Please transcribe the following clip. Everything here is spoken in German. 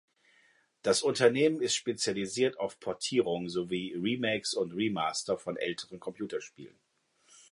Das Unternehmen ist spezialisiert auf Portierungen sowie Remakes und Remaster von älteren Computerspielen.